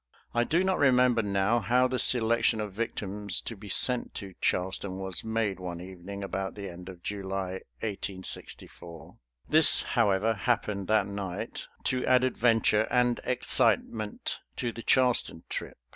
I do not remember now how the selection of victims to be sent to Charleston was made one evening about the end of July, 1864. This, however, happened that night, to add adventure and excitement to the Charleston trip.